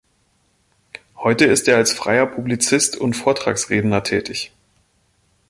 Heute ist er als freier Publizist und Vortragsredner tätig.